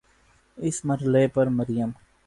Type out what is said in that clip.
اس مرحلے پر مریم